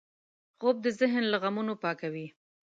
خوب د ذهن له غمونو پاکوي